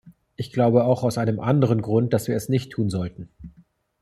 Ich glaube auch aus einem anderen Grund, dass wir es nicht tun sollten.